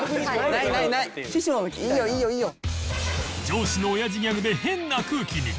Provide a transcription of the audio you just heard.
上司の親父ギャグで変な空気に